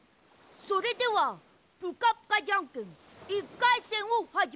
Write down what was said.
それでは「ぷかぷかじゃんけん」１かいせんをはじめます。